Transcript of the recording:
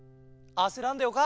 あせらんでよか。